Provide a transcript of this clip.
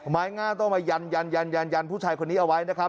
ไม้ง่าต้องมายันยันผู้ชายคนนี้เอาไว้นะครับ